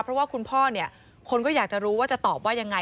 เพราะว่าคุณพ่อเนี่ยคนก็อยากจะรู้ว่าจะตอบว่ายังไง